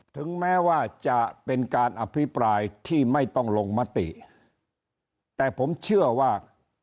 ถึงแม้ว่าจะเป็นการอภิปรายที่ไม่ต้องลงมติแต่ผมเชื่อว่า